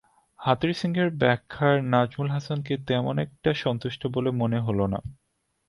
হাথুরুসিংহের ব্যাখ্যায় নাজমুল হাসানকে তেমন একটা সন্তুষ্ট বলে অবশ্য মনে হলো না।